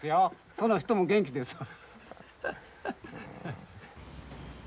その人も元気ですわ。